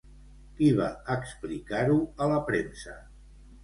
Qui va explicar-ho a la premsa?